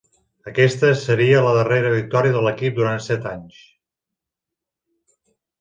Aquesta seria la darrera victòria de l'equip durant set anys.